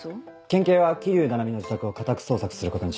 県警は桐生菜々美の自宅を家宅捜索することにした。